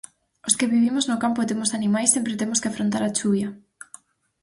Os que vivimos no campo e temos animais sempre temos que afrontar a chuvia.